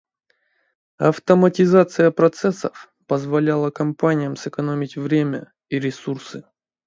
Автоматизация процессов позволяла компаниям сэкономить время и ресурсы.